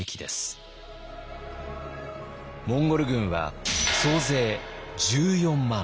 モンゴル軍は総勢１４万。